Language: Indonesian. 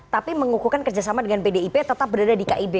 tapi mengukuhkan kerjasama dengan pdip tetap berada di kib